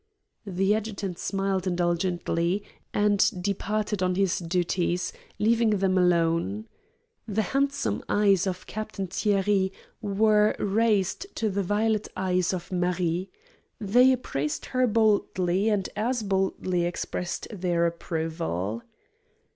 The adjutant smiled indulgently, and departed on his duties, leaving them alone. The handsome eyes of Captain Thierry were raised to the violet eyes of Marie. They appraised her boldly and as boldly expressed their approval.